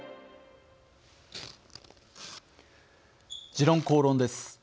「時論公論」です。